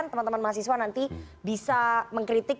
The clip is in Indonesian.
teman teman mahasiswa nanti bisa mengkritik